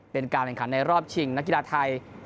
เป็นการแข่งขันในรอบชิงนักกีฬาไทย